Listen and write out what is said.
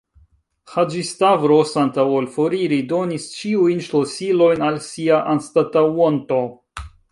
Haĝi-Stavros, antaŭ ol foriri, donis ĉiujn ŝlosilojn al sia anstataŭonto.